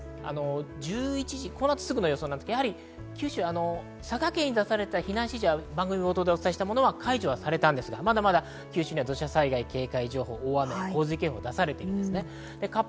１１時、この後すぐの予想ですが、九州、佐賀県に出された避難指示は番組冒頭でお伝えしたものは解除されましたが、まだまだ九州には土砂災害警戒情報、大雨警報なども出されています。